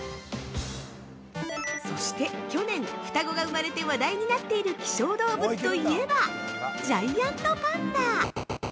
そして、去年、双子が生まれて話題になっている希少動物といえばジャイアントパンダ！